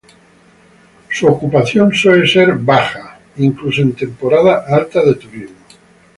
Su ocupación suele ser bajo incluso en temporada alta de turismo.